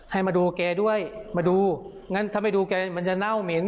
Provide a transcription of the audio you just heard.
ให้มาดูแกด้วยมาดูงั้นถ้าไม่ดูแกมันจะเน่าเหม็น